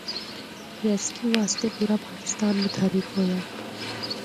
ریسکیو واسطے پورا پاکستان متحرک ہویا۔